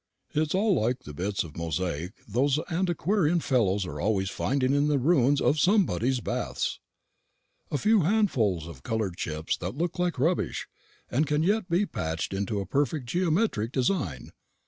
It's all like the bits of mosaic that those antiquarian fellows are always finding in the ruins of Somebody's Baths; a few handfuls of coloured chips that look like rubbish, and can yet be patched into a perfect geometric design.